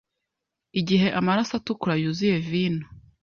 Igihe amaraso atukura yuzuye vino